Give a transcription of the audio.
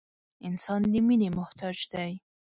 • انسان د مینې محتاج دی.